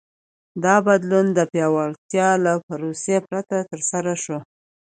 دا بدلون د پیاوړتیا له پروسې پرته ترسره شو.